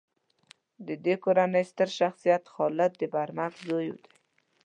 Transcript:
د دې کورنۍ ستر شخصیت خالد د برمک زوی دی.